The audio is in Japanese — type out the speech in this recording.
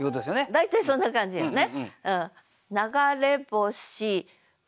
大体そんな感じよね。